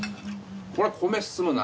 これは米進むな。